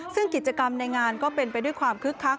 ซึ่งกิจกรรมในงานก็เป็นไปด้วยความคึกคัก